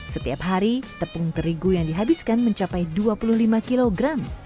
setiap hari tepung terigu yang dihabiskan mencapai dua puluh lima kg